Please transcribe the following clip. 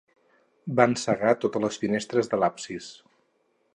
Van cegar totes les finestres de l'absis.